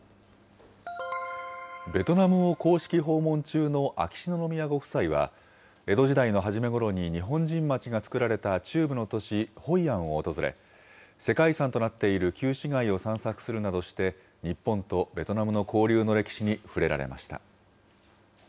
ベトナムを公式訪問中の秋篠宮ご夫妻は、江戸時代の初めごろに日本人町が造られた中部の都市、ホイアンを訪れ、世界遺産となっている旧市街を散策するなどして、日本とベトナムの交流の歴史に触れられました。